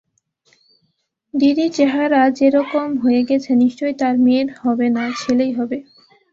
দিদির চেহারা যেরকম হয়ে গেছে নিশ্চয় তাঁর মেয়ে হবে না, ছেলেই হবে।